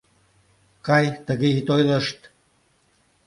Кай, тыге ит ойлышт.